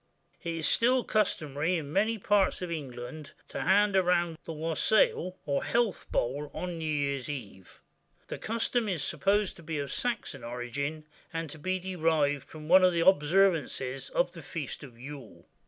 [IT is still customary in many parts of England to hand round the wassail, or health bowl, on New Year's Eve. The custom is supposed to be of Saxon origin, and to be derived from one of the observances of the Feast of Yule.